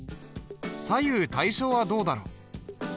左右対称はどうだろう？